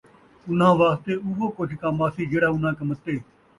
اُنھاں واسطے اُوہو کُجھ کم آسی جِہڑا اُنھاں کَمتّے